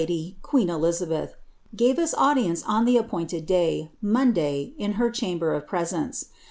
ST * The nid l«d]r (queen Elizabeth) gave us audience on the appointed daj, Monday, in her chamber of presence.